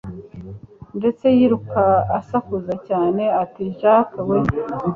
ndetse yiruka asakuza cyane ati jack we